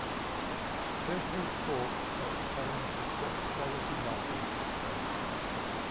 President Polk at times discussed policy matters with her.